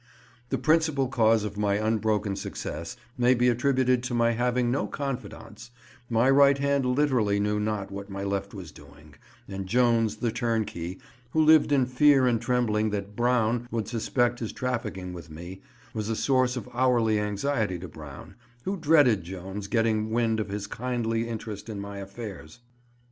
The principal cause of my unbroken success may be attributed to my having no confidants—my right hand literally knew not what my left was doing; and Jones, the turnkey, who lived in fear and trembling that Brown would suspect his trafficking with me, was a source of hourly anxiety to Brown, who dreaded Jones getting wind of his kindly interest in my affairs.